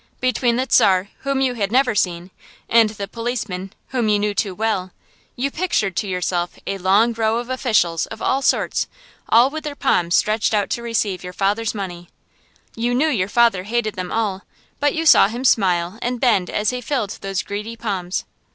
Between the Czar whom you had never seen, and the policeman whom you knew too well, you pictured to yourself a long row of officials of all sorts, all with their palms stretched out to receive your father's money. You knew your father hated them all, but you saw him smile and bend as he filled those greedy palms.